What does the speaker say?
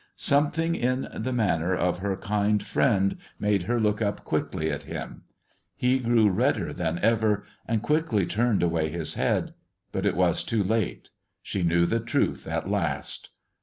Something in the manner of her kind friend made her look up quickly at him. He grew redder than ever, and quickly turned away his head; but it was too late; she knew the truth at last.